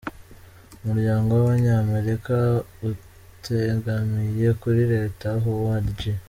Umuryango w’Abanyamerika utegamiye kuri Leta Howard G.